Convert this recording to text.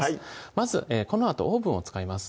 まずこのあとオーブンを使います